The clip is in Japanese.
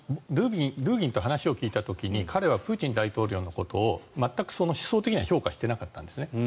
ドゥーギンに話を聞いた時に彼はプーチン大統領のことを全く思想的には評価していなかったんですね。